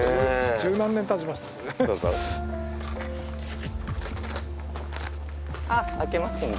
十何年たちましたもんね。